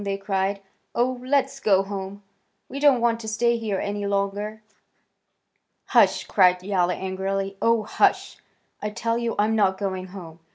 they cried. "Oh, let's go home. We don't want to stay here any longer." "Hush!" cried Yowler angrily. "Oh, hush! I tell you I'm not going home.